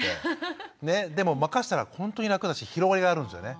でも任したらほんとに楽だし広がりがあるんですよね。